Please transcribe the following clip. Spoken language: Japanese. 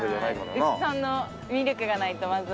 牛さんのミルクがないとまずは。